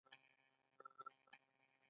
ټاپه وهي او قضاوت کوي